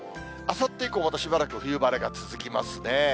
あさって以降も、またしばらく冬晴れが続きますね。